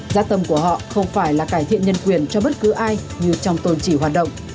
giá tâm của họ không phải là cải thiện nhân quyền cho bất cứ ai như trong tôn chỉ hoạt động